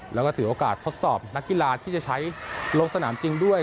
แล้วก็ถือโอกาสทดสอบนักกีฬาที่จะใช้ลงสนามจริงด้วย